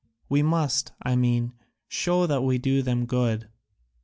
We must, I mean, show that we do them good."